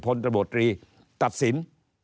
พนตรบตรีตัดสิน